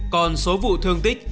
còn số vụ thương tích